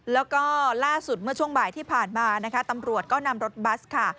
แล้วก็ล่าสุดเมื่อช่วงบ่ายที่ผ่านมานะคะตำรวจก็นำรถบัสค่ะ